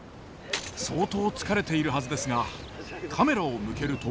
相当疲れているはずですがカメラを向けると。